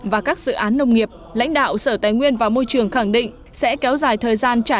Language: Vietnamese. và các dự án nông nghiệp lãnh đạo sở tài nguyên và môi trường khẳng định sẽ kéo dài thời gian trả